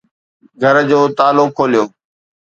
گهر جو تالا کوليو